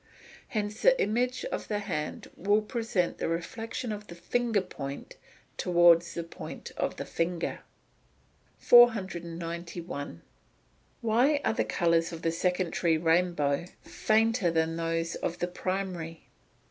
Hence the image of the hand will present the reflection of the finger point towards the point of the finger. 491. _Why are the colours of the secondary rainbow fainter than those of the primary?